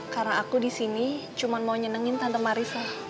karena aku disini cuma mau nyenengin tante marissa